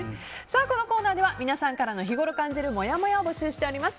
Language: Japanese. このコーナーでは皆さんからの日ごろ感じるもやもやを募集しております。